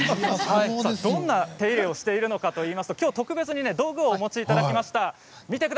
どんな手入れをしているかというと特別な道具をお持ちいただきました。